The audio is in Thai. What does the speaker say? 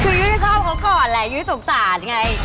คือยุ้ยชอบเขาก่อนแหละยุ้ยสงสารไง